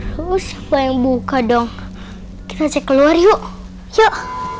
terus bayang buka dong kita cek keluar yuk yuk